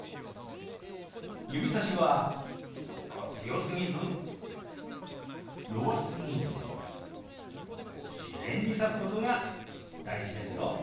指さしは強すぎず弱すぎず自然に指すことが大事ですよ。